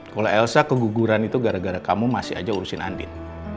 kalau elsa keguguran itu gara gara kamu masih aja urusin andin